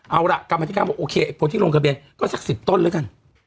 เอาล่ะกรรมธิการบอกโอเคคนที่ลงทะเบียนก็สัก๑๐ต้นแล้วกัน